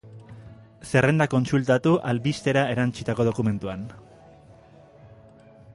Zerrenda kontsultatu albistera erantsitako dokumentuan.